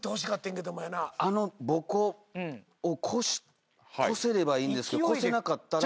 あのボコッを越せればいいんですけど越せなかったら。